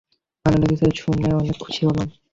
ভালো লেগেছে শুনে অনেক খুশি হলাম।